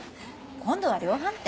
今度は量販店？